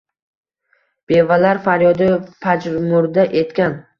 Bevalar faryodi pajmurda etgan